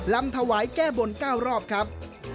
ลำถวายแก้บน๙รอบครับ